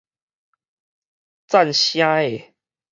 贊聲的